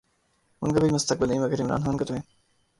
ان کا کوئی مستقبل نہیں، مگر عمران خان کا تو ہے۔